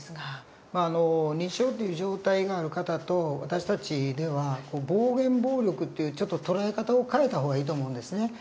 まああの認知症っていう状態がある方と私たちでは暴言暴力っていうちょっと捉え方を変えた方がいいと思うんですね。